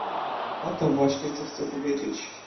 "Oto właśnie, co chcę powiedzieć!"